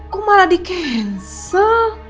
kok malah di cancel